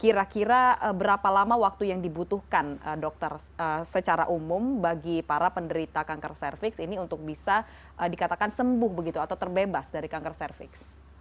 kira kira berapa lama waktu yang dibutuhkan dokter secara umum bagi para penderita kanker cervix ini untuk bisa dikatakan sembuh begitu atau terbebas dari kanker cervix